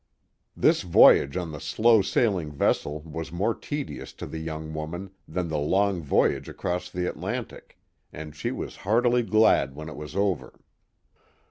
This voyage in the slow sailing vessel was more tedious to the young woman than the long voyage across the Atlantic, and she was heartily glad when it was over.